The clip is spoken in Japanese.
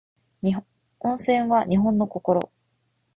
温泉は日本の心